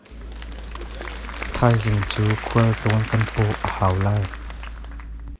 Thaizing cu khualtlawn kan pawh a hau lai.